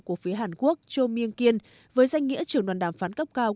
của phía hàn quốc cho myên kiên với danh nghĩa trưởng đoàn đàm phán cấp cao